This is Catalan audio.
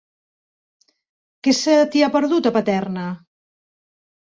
Què se t'hi ha perdut, a Paterna?